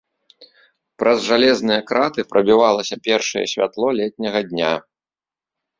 Праз жалезныя краты прабівалася першае святло летняга дня.